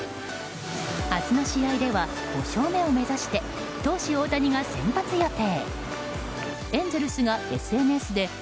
明日の試合では５勝目を目指して投手・大谷が先発予定。